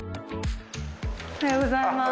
おはようございます。